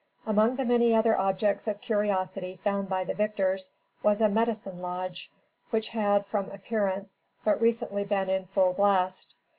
Among the many other objects of curiosity found by the victors, was a "Medicine lodge," which had, from appearance, but recently been in full blast.